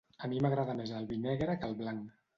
A mi m'agrada més el vi negre que el blanc.